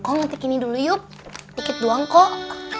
nanti gini dulu yuk dikit doang kok